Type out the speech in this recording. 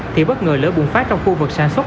thì bất ngờ lửa bùng phát trong khu vực sản xuất